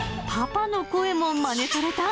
パパの声もまねされた。